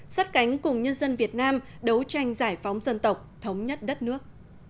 sát cánh cùng nhân dân việt nam đấu tranh giải phóng dân tộc thống nhất đất nước